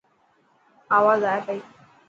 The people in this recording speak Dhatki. آواز آي پئي.